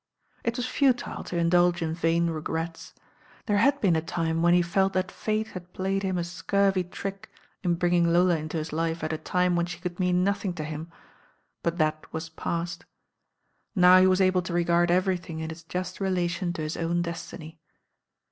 It was futile to indulge in vain regrets. There had been a time when he felt that Fate had played him a scurvy trick in bringmg Lola into his life at a time when she could mean nothing to him; but Aat was pasi Now he was able to regard every thing m Its just relation to his own destiny.